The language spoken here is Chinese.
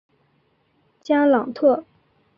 加朗特。